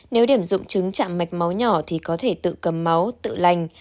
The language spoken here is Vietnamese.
nếu điểm dụng trứng chạm mạch máu nhỏ thì có thể tự cầm máu tự lành